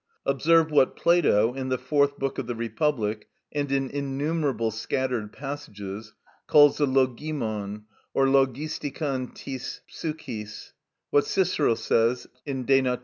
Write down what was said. Observe what Plato, in the fourth book of the Republic, and in innumerable scattered passages, calls the λογιμον, or λογιστικον της ψυχης, what Cicero says (_De Nat.